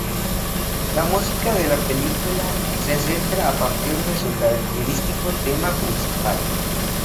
La música de la película se centra a partir de su característico tema principal.